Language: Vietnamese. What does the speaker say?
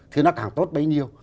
thì nó càng tốt bấy nhiêu